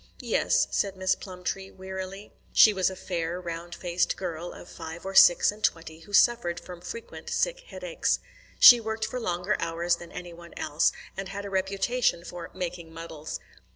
"Yes," said Miss Plumtree wearily. She was a fair, round faced girl of five or six and twenty who suffered from frequent sick headaches. She worked for longer hours than any one else, and had a reputation for "making muddles."